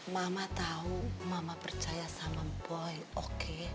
mama tahu mama percaya sama boy oke